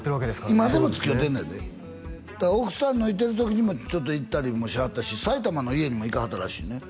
今でもつきおうてんねやでだから奥さんのいてる時にもちょっと行ったりもしはったし埼玉の家にも行かはったらしいね